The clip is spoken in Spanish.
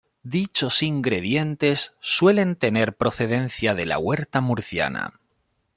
Dichos ingredientes suelen tener procedencia de la huerta murciana.